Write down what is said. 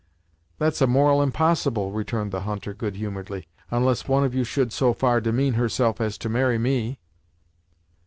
"That's a moral impossible," returned the hunter, good humouredly, "onless one of you should so far demean herself as to marry me."